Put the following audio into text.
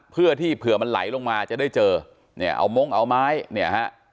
เพื่อที่เผื่อมันไหลลงมาจะได้เจอเนี่ยเอามงเอาไม้เนี่ยฮะ